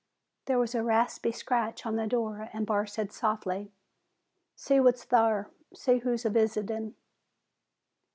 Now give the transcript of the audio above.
There was a rasping scratch on the door and Barr said softly, "See what's thar. See who's a'visitin'."